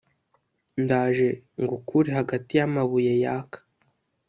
Ndaje ngukure hagati y’amabuye yaka